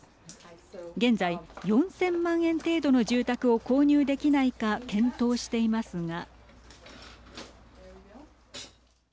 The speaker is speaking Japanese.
現在、４０００万円程度の住宅を購入できないか検討していますが。